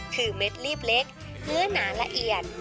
คือเม็ดลีบเล็กเนื้อหนาละเอียด